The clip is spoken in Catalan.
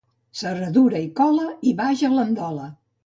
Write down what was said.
Serradura i cola, i vaja l'andola.